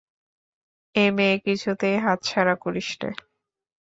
এ মেয়ে কিছুতেই হাতছাড়া করিস নে।